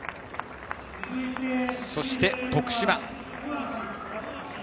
そして徳島。